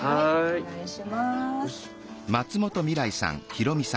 お願いします。